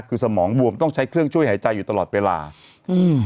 คือสมองบวมต้องใช้เครื่องช่วยหายใจอยู่ตลอดเวลาอืม